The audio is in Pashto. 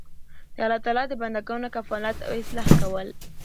د الله تعالی د بندګانو کفالت او اصلاح کول